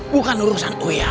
bukan urusan uya